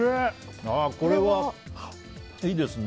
これはいいですね。